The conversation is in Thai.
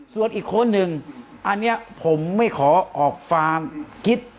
ส่วนอีกคนหนึ่งอันนี้ผมไม่ขอออกความคิด